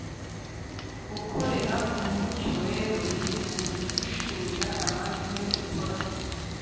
Gukorera mu mucyo rero ni uguhishurira abandi ibyo ukora